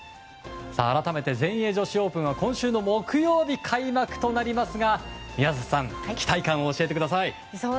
改めて全英女子オープンは今週の木曜日開幕となりますが宮里さん期待感を教えてください。